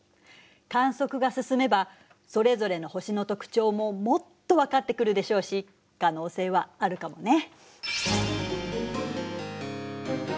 観測が進めばそれぞれの星の特徴ももっと分かってくるでしょうし可能性はあるかもね。